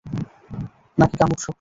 নাকি কামুক স্বপ্ন?